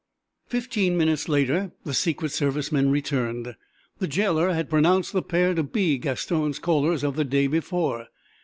Fifteen minutes later the Secret Service men returned. The jailer had pronounced the pair to be Gaston's callers of the day before.